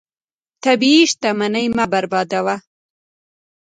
طبیعي شتمنۍ مه بربادوه.